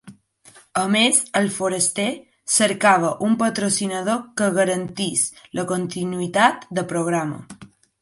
A més, ‘El foraster’ cercava un patrocinador que garantís la continuïtat de programa.